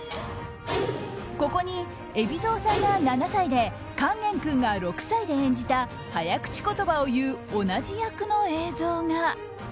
ここに、海老蔵さんが７歳で勸玄君が６歳で演じた早口言葉を言う同じ役の映像が。